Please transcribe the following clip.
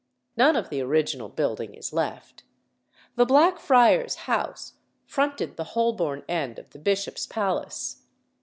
None of the original building is left. The Black Friars' House fronted the Holborn end of the Bishop's Palace.